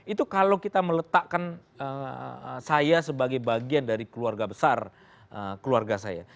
itu kalau kita meletakkan saya sebagai bagian dari keluarga besar keluarga saya